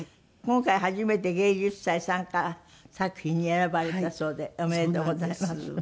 今回初めて芸術祭参加作品に選ばれたそうでおめでとうございます。